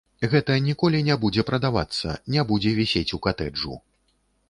Гэта ніколі не будзе прадавацца, не будзе вісець у катэджу.